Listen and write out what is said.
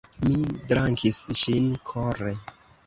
Mi dankis ŝin kore.